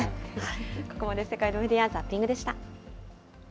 ここまで世界のメディア・ザッピングでした。